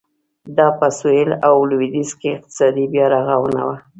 دا په سوېل او لوېدیځ کې اقتصادي بیارغونه وه.